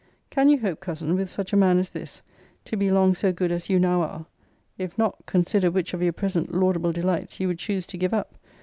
Can you hope, cousin, with such a man as this to be long so good as you now are? If not, consider which of your present laudable delights you would choose to give up!